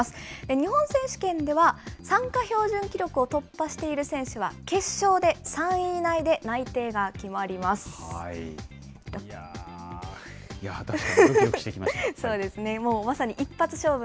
日本選手権では、参加標準記録を突破している選手は決勝で３位以内で内定が決まります。